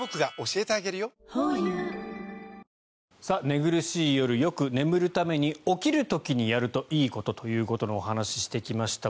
寝苦しい夜よく眠るために起きる時にやるといいことというお話をしてきました。